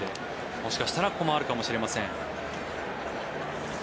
もしかしたらここもあるかもしれません。